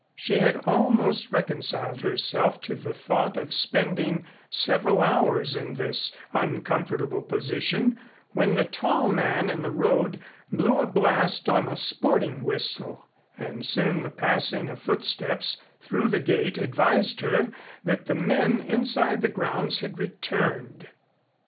She had almost reconciled herself to the thought of spending several hours in this uncomfortable position when the tall man in the road blew a blast on a sporting whistle and soon the passing of footsteps through the gate advised her that the men inside the grounds had returned.